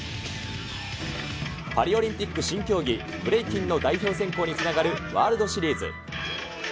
パリオリンピック新競技、ブレイキンの代表選考につながるワールドシリーズ。